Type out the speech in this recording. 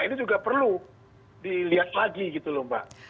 ini juga perlu dilihat lagi gitu loh mbak